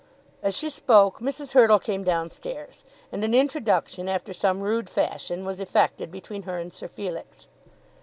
As she spoke, Mrs. Hurtle came downstairs, and an introduction, after some rude fashion, was effected between her and Sir Felix.